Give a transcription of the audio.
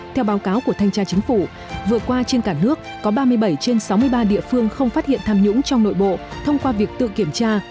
theo báo cáo của thanh tra chính phủ vừa qua trên cả nước có ba mươi bảy trên sáu mươi ba địa phương không phát hiện tham nhũng trong nội bộ thông qua việc tự kiểm tra